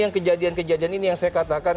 yang kejadian kejadian ini yang saya katakan